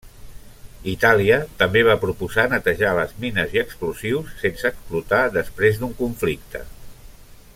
Itàlia també va proposar netejar les mines i explosius sense explotar després d'un conflicte.